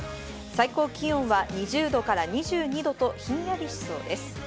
最高気温は２０度から２２度とひんやりしそうです。